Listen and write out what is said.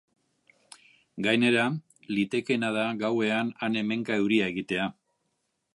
Gainera, litekeena da gauean han-hemenka euria egitea.